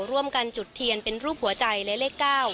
ร่วมกันจุดเทียนเป็นรูปหัวใจและเลข๙